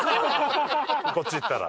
こっち行ったら？